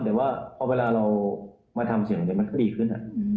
แต่ว่าเอาเวลาเรามาทำสิ่งเหล่านี้มันก็ดีขึ้น